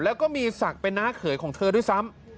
แล้วก็มีศักดิ์เป็นน้าเขยของเธอด้วยซ้ำ